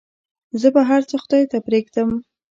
زه به هرڅه خداى ته پرېږدم.